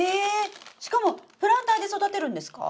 しかもプランターで育てるんですか？